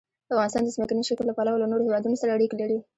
افغانستان د ځمکني شکل له پلوه له نورو هېوادونو سره اړیکې لري.